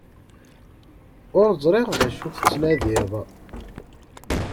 Ur ẓriɣ d acu tettnadiḍ.